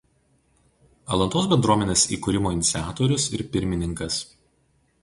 Alantos bendruomenės įkūrimo iniciatorius ir pirmininkas.